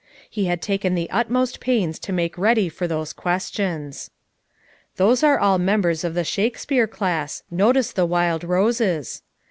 He had taken the utmost pains to make ready for those questions. " Those are all members of the Shakespeare class, notice the wild roses!"